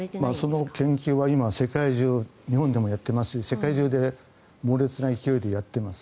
その研究は今、世界中日本でもやってますし世界中で猛烈な勢いでやっています。